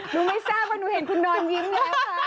ไม่ทราบว่าหนูเห็นคุณนอนยิ้มแล้วค่ะ